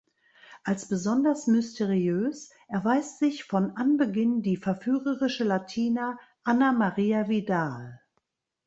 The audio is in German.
Als besonders mysteriös erweist sich von Anbeginn die verführerische Latina Anna Maria Vidal.